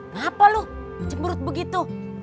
kenapa lu cemburu begitu